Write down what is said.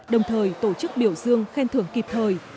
đồng thời tổ chức biểu dương khen thưởng kịp thời